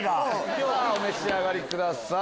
お召し上がりください。